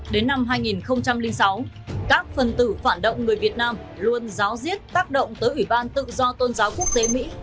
đến năm hai nghìn sáu các phần tử phản động người việt nam luôn giáo diết tác động tới ủy ban tự do tôn giáo quốc tế mỹ